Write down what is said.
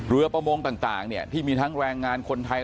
เรือประมงต่างเนี่ยที่มีทั้งแรงงานคนไทย